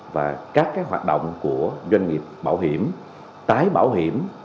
và các hoạt động của doanh nghiệp bảo hiểm tái bảo hiểm